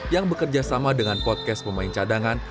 yang bekerja sama dengan podcast pemain cadangan